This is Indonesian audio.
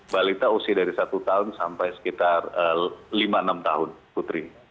balita usia dari satu tahun sampai sekitar lima enam tahun putri